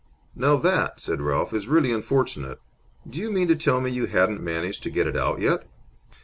"Now that," said Ralph, "is really unfortunate! Do you mean to tell me you hadn't managed to get it out yet?